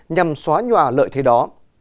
nhằm xóa nhòa lợi thế đó